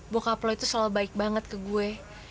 bokap lo itu selalu baik banget ke gue